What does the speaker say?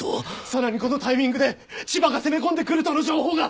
さらにこのタイミングで千葉が攻め込んでくるとの情報が。